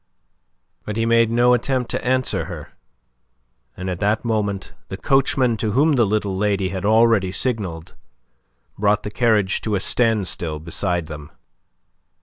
But he made no attempt to answer her, and at that moment the coachman, to whom the little lady had already signalled, brought the carriage to a standstill beside them.